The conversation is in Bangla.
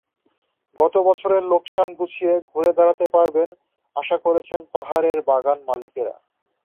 গত বছরের লোকসান গুছিয়ে ঘুরে দাঁড়াতে পারবেন আশা করছেন পাহাড়ের বাগানমালিকেরা।